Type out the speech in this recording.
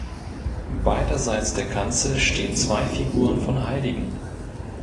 Beiderseits der Kanzel stehen zwei Figuren von Heiligen.